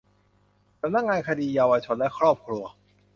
สำนักงานคดีเยาวชนและครอบครัว